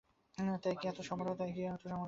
তাই কি এতসমারোহ!